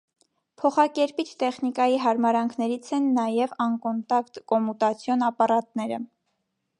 Փոխակերպիչ տեխնիկայի հարմարանքներից են նաև անկոնտակտ կոմուտացիոն ապարատները։